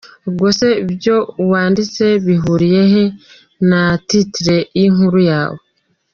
Ubwo se ibyo wanditse bihuriye he na titre y’inkuru yawe?